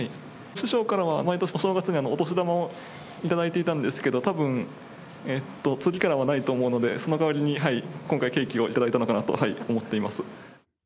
師匠からは毎年、お正月にはお年玉を頂いていたんですけれども、たぶん、次からはないと思うので、その代わりに、今回ケーキを頂いたのかなと思ってます。